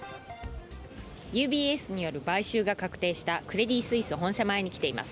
ＵＢＳによる買収が確定したクレディ・スイス本社前に来ています。